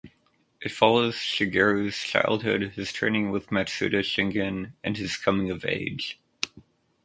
It follows Shigeru's childhood, his training with Matsuda Shingen, and his coming of age.